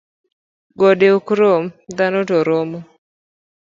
Gode ok rom dhano to romo